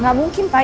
gak mungkin pak